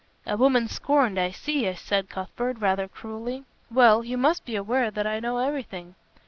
"A woman scorned, I see," said Cuthbert, rather cruelly, "well, you must be aware that I know everything."